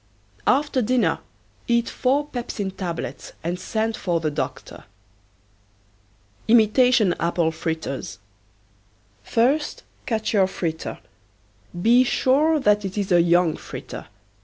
After dinner eat four pepsin tablets and send for the doctor. IMITATION APPLE FRITTERS. First catch your fritter. Be sure that it is a young fritter.